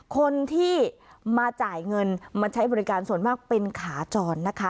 คนที่มาจ่ายเงินมาใช้บริการส่วนมากเป็นขาจรนะคะ